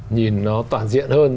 nhìn nó toàn diện hơn